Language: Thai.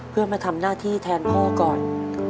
เพื่อมาทำหน้าที่แทนพ่อก่อน